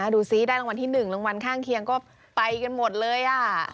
ดูซิได้รางวัลที่๑รางวัลข้างเคียงก็ไปกันหมดเลย